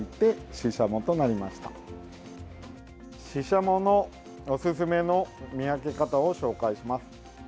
シシャモのおすすめの見分け方を紹介します。